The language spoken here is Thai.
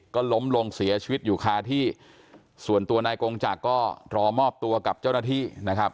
ก็ล้มลงเสียชีวิตอยู่คาที่ส่วนตัวนายกงจักรก็รอมอบตัวกับเจ้าหน้าที่นะครับ